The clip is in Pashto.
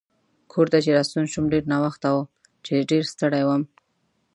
کور ته چې راستون شوم ډېر ناوخته و چې ډېر ستړی وم.